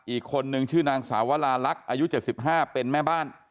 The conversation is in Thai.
อีกคนนึงชื่อนางสาวลาลักษณ์อายุ๗๕เป็นแม่บ้าน